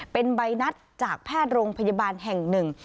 เป็นใบนัดจากแพทย์โรงพยาบาลแห่งหนึ่ง